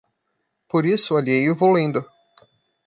Por isso, alheio, vou lendo